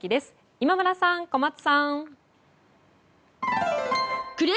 今村さん、小松さん。